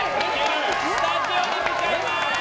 スタジオに向かいます！